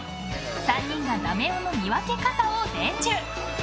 ３人がダメ男の見分け方を伝授！